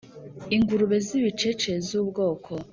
Ingurube z'ibicece z'ubwoko,